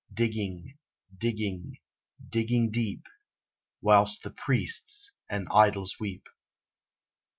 Digging, digging, digging deep, Whilst the priests and idols weep.